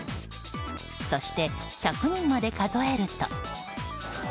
そして、１００人まで数えると。